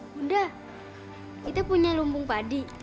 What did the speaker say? bunda kita punya lumbung padi